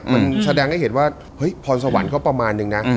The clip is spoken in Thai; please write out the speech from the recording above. มันแสดงให้เห็นว่าเฮ้ยพรสวรรค์เขาประมาณนึงนะ